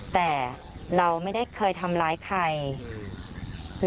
แต่เราไม่ได้เคยทำร้ายใคร